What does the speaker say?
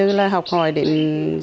dư là học hỏi dư là học hỏi